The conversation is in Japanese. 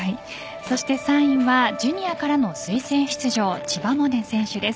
３位はジュニアからの推薦出場千葉百音選手です。